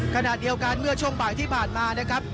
ขณะเดียวกันเมื่อช่วงบ่ายที่ผ่านมานะครับ